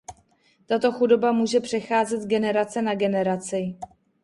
Tato chudoba může přecházet z generace na generaci.